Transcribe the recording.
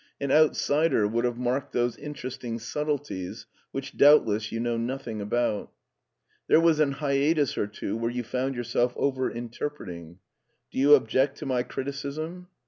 An outsider would have marked those interesting subtleties which doubtless you know nothing about. There was an hiatus or two where you found yourself over interpreting. Do you object to my criticism